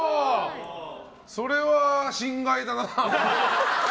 それは、心外だなあ。